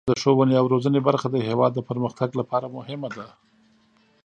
د ښوونې او روزنې برخه د هیواد د پرمختګ لپاره مهمه ده.